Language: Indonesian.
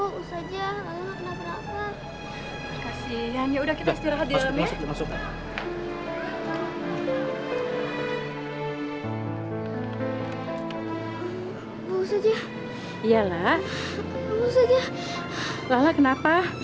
lala usah aja lala kenapa kenapa